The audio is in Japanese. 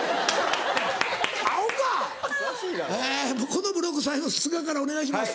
このブロック最後須賀からお願いします。